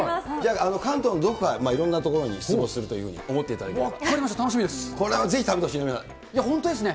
関東のどこか、いろんな所に出没するというふうに思っていただければ。